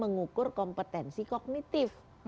mengukur kompetensi kognitif